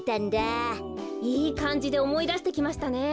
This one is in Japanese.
いいかんじでおもいだしてきましたね。